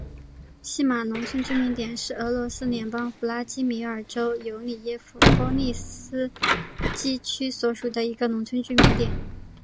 锡马农村居民点是俄罗斯联邦弗拉基米尔州尤里耶夫波利斯基区所属的一个农村居民点。